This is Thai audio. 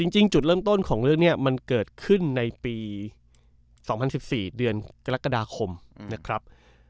จริงจุดเริ่มต้นของเรื่องนี้มันเกิดขึ้นในปี๒๐๑๔เดือนกรกฎาคมนะครับ